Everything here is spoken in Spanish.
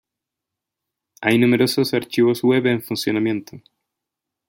Hay numerosos archivos web en funcionamiento.